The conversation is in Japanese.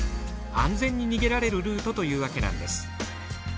安全に逃げられるルートというわけなんです。